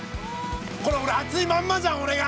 これ暑いまんまじゃん俺が！